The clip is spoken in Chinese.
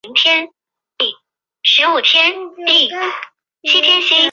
马术则是唯一一项男性和女性选手同台竞技的比赛。